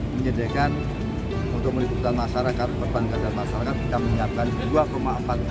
menyiapkan untuk menutupkan masyarakat perbankan masyarakat kita menyiapkan dua empat triliun